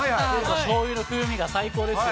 しょうゆの風味が最高です。